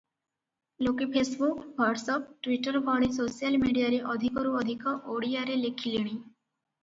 ଲୋକେ Facebook, WhatsApp, Twitter ଭଳି social ମିଡ଼ିଆରେ ଅଧିକରୁ ଅଧିକ ଓଡ଼ିଆରେ ଲେଖିଲେଣି ।